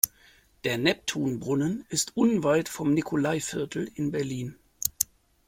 Der Neptunbrunnen ist unweit vom Nikolaiviertel in Berlin.